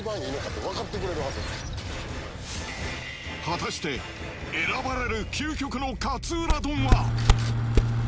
果たして選ばれる究極の勝浦丼は？